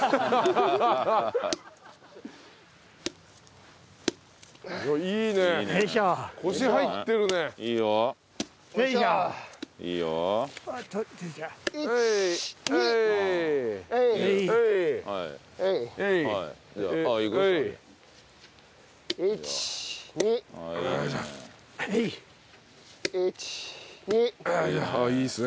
あっいいですね。